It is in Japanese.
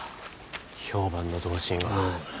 評判の同心は。